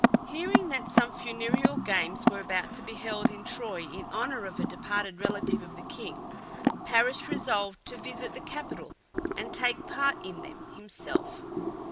Hearing that some funereal games were about to be held in Troy in honour of a departed relative of the king, Paris resolved to visit the capital and take part in them himself.